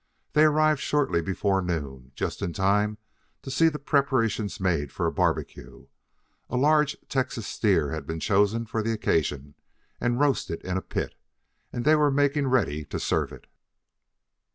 They arrived shortly before noon, just in time to see the preparations made for a barbecue. A large Texas steer had been chosen for the occasion and roasted in a pit, and they were making ready to serve it.